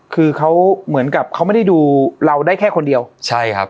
คือเขาเหมือนกับเขาไม่ได้ดูเราได้แค่คนเดียวใช่ครับ